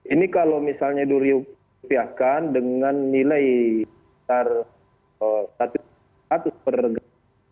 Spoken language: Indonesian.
ini kalau misalnya diupiakan dengan nilai satu seratus per gram